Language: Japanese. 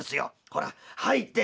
ほら入って」。